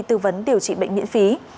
tư vấn điều trị bệnh miễn phí